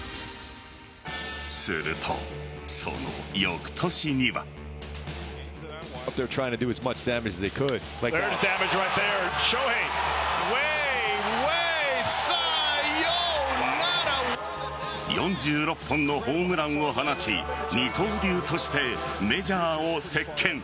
すると、その翌年には。４６本のホームランを放ち二刀流としてメジャーを席巻。